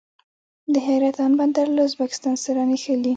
د حیرتان بندر له ازبکستان سره نښلي